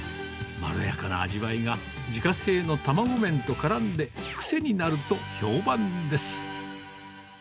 まろやかな味わいが、自家製の卵麺とからんで癖になると評判です。